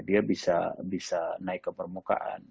dia bisa naik ke permukaan